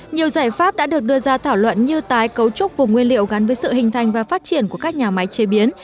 nhiều giải pháp đã được đưa ra thảo luận như tái cấu trúc vùng nguyên liệu gắn với sự hình thành và phát triển của các nhà máy chế biến